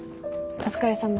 お疲れさま。